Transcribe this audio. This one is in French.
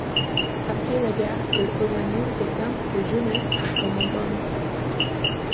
Après la guerre, il organise des camps de jeunesse en montagne.